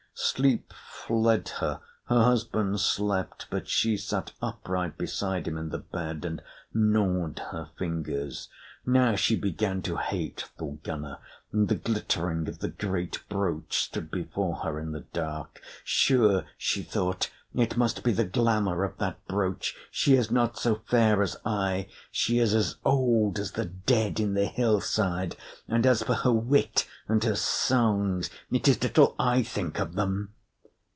Sleep fled her; her husband slept, but she sat upright beside him in the bed, and gnawed her fingers. Now she began to hate Thorgunna, and the glittering of the great brooch stood before her in the dark. "Sure," she thought, "it must be the glamour of that brooch! She is not so fair as I; she is as old as the dead in the hillside; and as for her wit and her songs, it is little I think of them!"